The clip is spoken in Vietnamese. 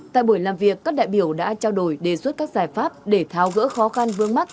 tại buổi làm việc các đại biểu đã trao đổi đề xuất các giải pháp để tháo gỡ khó khăn vướng mắt